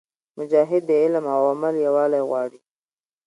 مجاهد د علم او عمل یووالی غواړي.